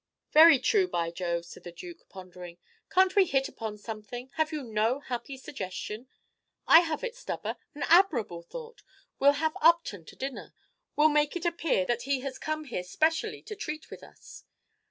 "Very true, by Jove!" said the Duke, pondering. "Can't we hit upon something, have you no happy suggestion? I have it, Stubber, an admirable thought. We 'll have Upton to dinner. We 'll make it appear that he has come here specially to treat with us.